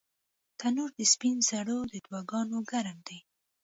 تنور د سپین زرو د دعاګانو ګرم دی